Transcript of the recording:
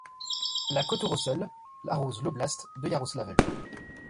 La Kotorosl arrose l'oblast de Iaroslavl.